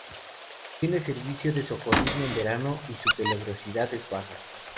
Tiene servicio de socorrismo en verano y su peligrosidad es baja.